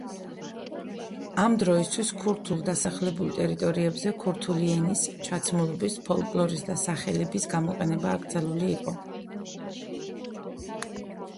ამ დროისთვის ქურთულ დასახლებული ტერიტორიებზე ქურთული ენის, ჩაცმულობის, ფოლკლორის და სახელების გამოყენება აკრძალული იყო.